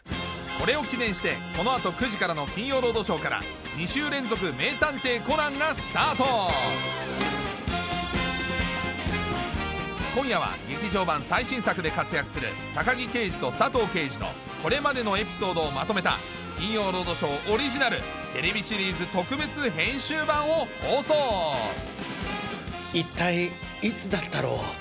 これを記念してこの後９時からの『金曜ロードショー』からがスタート今夜は劇場版最新作で活躍するのこれまでのエピソードをまとめた『金曜ロードショー』オリジナルＴＶシリーズ特別編集版を放送一体いつだったろう？